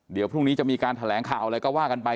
เดี๋ยวพรุ่งนี้จะมีการแถลงข่าวอะไรก็ว่ากันไป